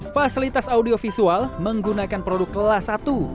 fasilitas audiovisual menggunakan produk kelas satu